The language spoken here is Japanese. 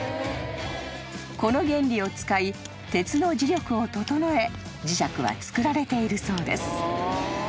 ［この原理を使い鉄の磁力を整え磁石は作られているそうです］